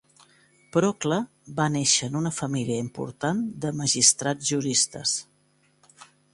Procle va néixer en una família important de magistrats juristes.